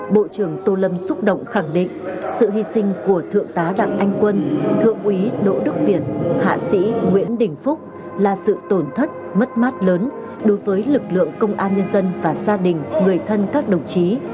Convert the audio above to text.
bộ trưởng tô lâm xúc động khẳng định sự hy sinh của thượng tá đặng anh quân thượng úy đỗ đức việt hạ sĩ nguyễn đình phúc là sự tổn thất mất mát lớn đối với lực lượng công an nhân dân và gia đình người thân các đồng chí